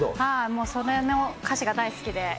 もうその歌詞が大好きで。